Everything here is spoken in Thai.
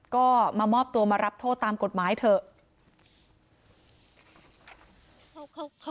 ก็มามอบตัวมารับโทษตามกฎหมายเถอะ